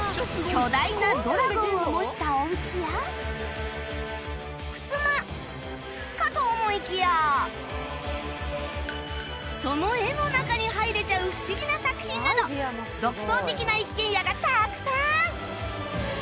巨大なドラゴンを模したお家や襖かと思いきやその絵の中に入れちゃう不思議な作品など独創的な一軒家がたくさん！